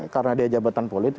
karena dia jabatan politik